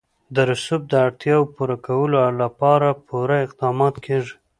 د رسوب د اړتیاوو پوره کولو لپاره پوره اقدامات کېږي.